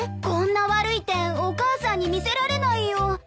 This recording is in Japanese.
こんな悪い点お母さんに見せられないよ。